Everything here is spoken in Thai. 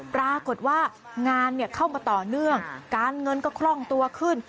ปรากฏว่างานเข้ามาต่อเนื่องการเงินก็คล่องตัวขึ้น